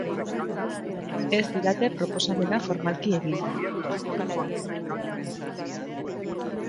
Ez didate proposamena formalki egin.